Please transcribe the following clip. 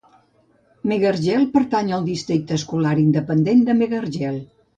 Megargel pertany al districte escolar independent de Megargel.